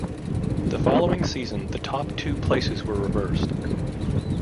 The following season the top two places were reversed.